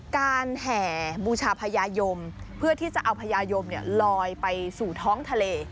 แห่บูชาพญายมเพื่อที่จะเอาพญายมลอยไปสู่ท้องทะเล